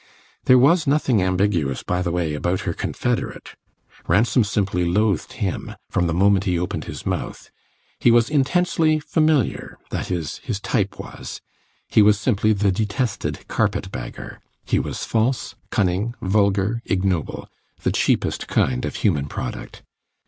There was nothing ambiguous, by the way, about her confederate; Ransom simply loathed him, from the moment he opened his mouth; he was intensely familiar that is, his type was; he was simply the detested carpet bagger. He was false, cunning, vulgar, ignoble; the cheapest kind of human product.